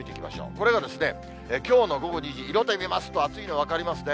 これがきょうの午後２時、色で見ますと、暑いの分かりますね。